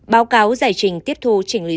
báo cáo giải trình tiếp thu chỉnh lý